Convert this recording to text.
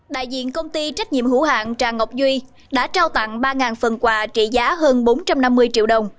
đại diện công ty trách nhiệm hữu hạng tràng ngọc duy đã trao tặng ba phần quà trị giá hơn bốn trăm năm mươi triệu đồng